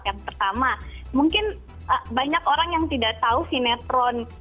yang pertama mungkin banyak orang yang tidak tahu sinetron